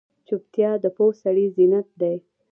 چوپتیا، د پوه سړي زینت دی.